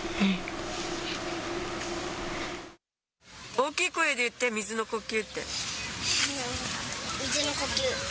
大きい声で言って、水の呼吸。